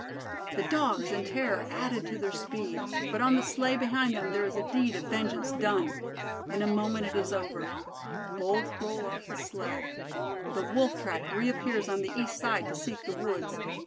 The Dogs, in terror, added to their speed; but on the sleigh behind them there is a deed of vengeance done. In a moment it is over; both roll off the sled; the Wolf track reappears on the east side to seek the woods.